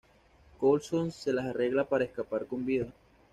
Coulson se las arregla para escapar con vida.